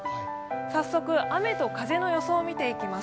早速雨と風の予想を見ていきます。